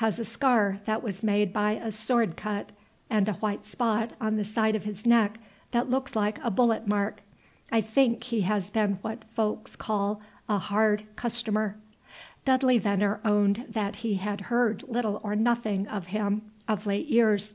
Has a scar that was made by a sword cut, and a white spot on the side of his neck that looks like a bullet mark. I think he has been what folks call a 'hard customer.'" Dudley Venner owned that he had heard little or nothing of him of late years.